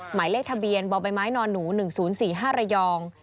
หมายเลขทะเบียนบ่อใบไม้นอนหนู๑๐๔๕ระยอง